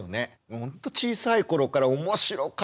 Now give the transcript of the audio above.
ほんと小さい頃から「面白かった！」